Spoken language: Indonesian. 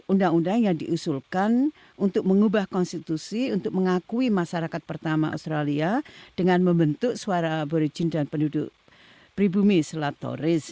undang undang yang diusulkan untuk mengubah konstitusi untuk mengakui masyarakat pertama australia dengan membentuk suara berizin dan penduduk pribumi selat touris